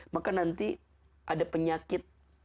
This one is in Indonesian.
maka nanti ada penyakit